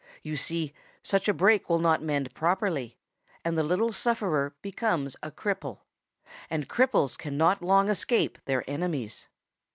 You see, such a break will not mend properly, and the little sufferer becomes a cripple, and cripples cannot long escape their enemies.